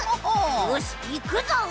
よしいくぞ！